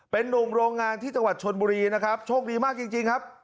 เป็นนุ่มโรงงานที่จังหวัดชนบุรีนะครับโชคดีมากจริงครับ